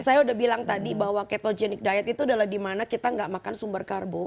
saya udah bilang tadi bahwa ketogenik diet itu adalah dimana kita nggak makan sumber karbo